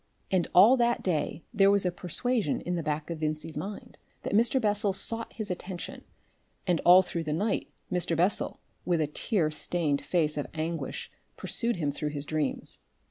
And all that day there was a persuasion in the back of Vincey's mind that Mr. Bessel sought his attention, and all through the night Mr. Bessel with a tear stained face of anguish pursued him through his dreams.